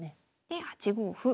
で８五歩。